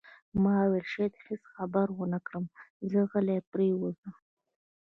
ما وویل: شاید هیڅ خبرې ونه کړم، زه غلی پرېوځم.